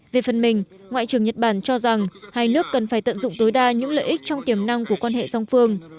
về phần mình ngoại trưởng nhật bản cho rằng hai nước cần phải tận dụng tối đa những lợi ích trong tiềm năng của quan hệ song phương